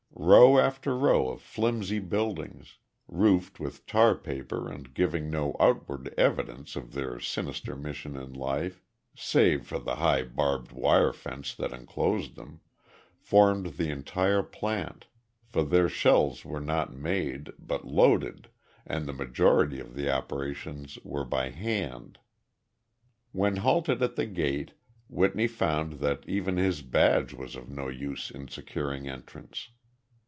Row after row of flimsy buildings, roofed with tar paper and giving no outward evidence of their sinister mission in life save for the high barbed wire fence that inclosed them formed the entire plant, for there shells were not made, but loaded, and the majority of the operations were by hand. When halted at the gate, Whitney found that even his badge was of no use in securing entrance.